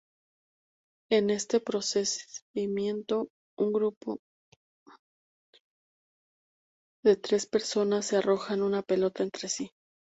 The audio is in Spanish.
En este procedimiento un grupo de tres personas se arrojan una pelota entre sí.